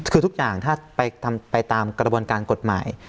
คือทุกอย่างถ้าไปทำไปตามกระบวนการกฎหมาย